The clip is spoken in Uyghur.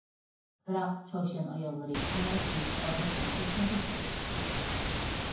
بىراق چاۋشيەن ئاياللىرى كۆڭلەك كىيىشكە ئادەتلىنىپ كەتكەندەك تۇرىدۇ.